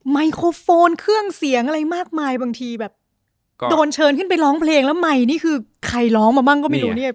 ไมโครโฟนเครื่องเสียงอะไรมากมายบางทีแบบโดนเชิญขึ้นไปร้องเพลงแล้วไมค์นี่คือใครร้องมาบ้างก็ไม่รู้เนี่ย